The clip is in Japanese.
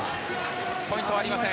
ポイントはありません。